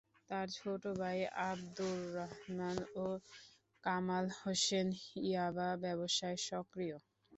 তাঁর ছোট ভাই আবদুর রহমান ও কামাল হোসেন ইয়াবা ব্যবসায় সক্রিয়।